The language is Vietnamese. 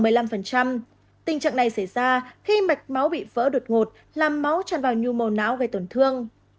tình trạng này xảy ra khi mạch máu bị vỡ đột ngột làm máu tràn vào nhuần não gây tổn thương